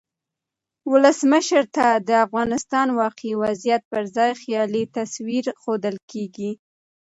ولسمشر ته د افغانستان واقعي وضعیت پرځای خیالي تصویر ښودل کیږي.